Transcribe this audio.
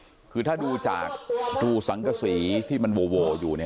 ก็คือถ้าดูจากดูซังครสีที่มันโบวอยู่นี่